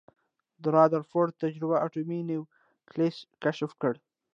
د ردرفورډ تجربه اټومي نیوکلیس کشف کړ.